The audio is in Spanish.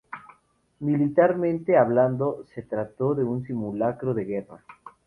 Militarmente hablando, se trató de un simulacro de guerra.